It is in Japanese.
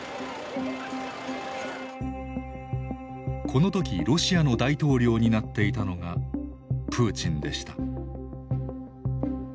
この時ロシアの大統領になっていたのがプーチンでした。